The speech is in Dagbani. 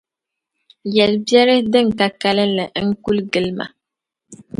Yɛl’ biɛri din ka kalinli n-kul gili ma.